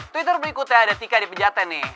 twitter berikutnya ada tika di pejaten nih